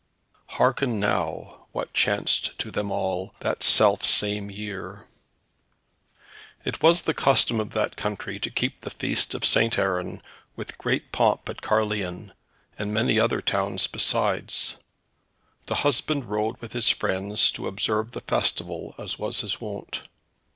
Hearken now, what chanced to them all, that self same year. It was the custom of that country to keep the feast of St. Aaron with great pomp at Caerleon, and many another town besides. The husband rode with his friends to observe the festival, as was his wont.